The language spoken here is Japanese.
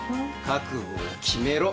覚悟を決めろ。